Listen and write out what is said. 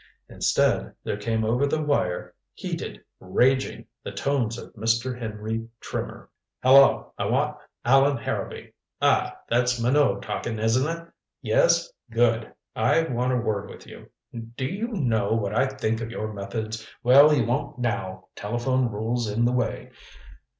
Instead there came over the wire, heated, raging, the tones of Mr. Henry Trimmer. "Hello I want Allan Harrowby ah, that's Minot talking, isn't it? Yes. Good. I want a word with you. Do you know what I think of your methods? Well, you won't now telephone rules in the way.